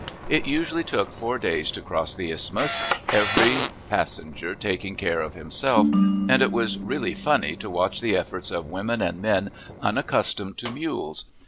It usually took four days to cross the isthmus, every passenger taking care of himself, and it was really funny to watch the efforts of women and men unaccustomed to mules.